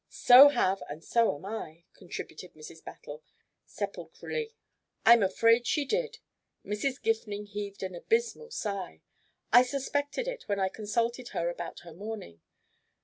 "So have and so am I," contributed Mrs. Battle, sepulchrally. "I'm afraid she did!" Mrs. Gifning heaved an abysmal sigh. "I suspected it when I consulted her about her mourning.